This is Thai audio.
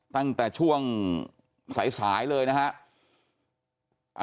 ตั้งแต่ช่วงสายเลยนะฮะ